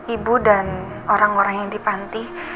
ibu dan orang orang yang di panti